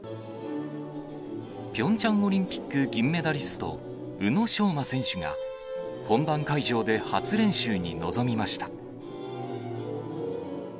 ピョンチャンオリンピック銀メダリスト、宇野昌磨選手が、本番会場で初練習に臨みました。